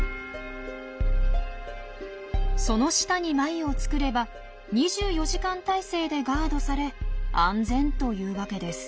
その下に繭を作れば２４時間態勢でガードされ安全というわけです。